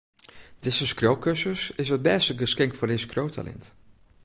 Dizze skriuwkursus is it bêste geskink foar dyn skriuwtalint.